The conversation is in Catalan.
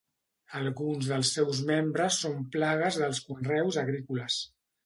Alguns dels seus membres són plagues dels conreus agrícoles.